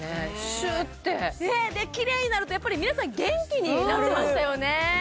シュッてねえでキレイになると皆さん元気になってましたよね